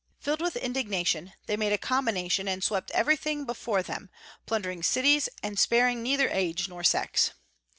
Filled with indignation, they made a combination and swept everything before them, plundering cities, and sparing neither age nor sex.